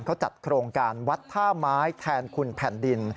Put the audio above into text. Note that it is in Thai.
เขาจัดโครงการวัดท่าไม้แทนคุณแผ่นดิน